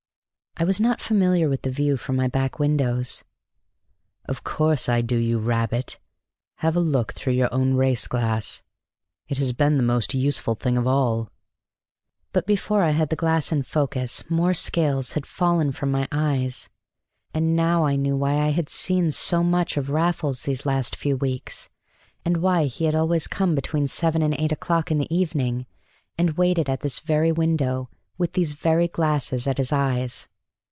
I was not familiar with the view from my back windows. "Of course I do, you rabbit! Have a look through your own race glass. It has been the most useful thing of all." But before I had the glass in focus more scales had fallen from my eyes; and now I knew why I had seen so much of Raffles these last few weeks, and why he had always come between seven and eight o'clock in the evening, and waited at this very window, with these very glasses at his eyes.